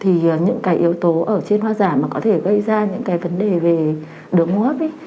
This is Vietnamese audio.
thì những cái yếu tố ở trên hoa giả mà có thể gây ra những cái vấn đề về đường hô hấp